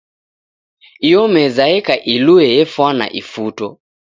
Iyo meza eka ilue efwana ifuto.